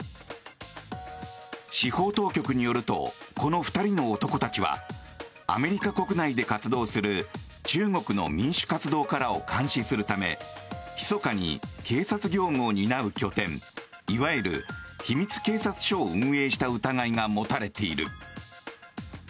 司法当局によるとこの２人の男たちはアメリカ国内で活動する中国の民主活動家らを監視するためひそかに警察業務を担う拠点いわゆる秘密警察署を運営した疑いが持たれている。